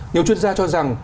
nhiều chuyên gia cho rằng